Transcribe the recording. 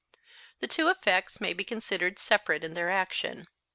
The two effects may be considered separate in their action.